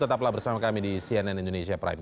tetaplah bersama kami di cnn indonesia prime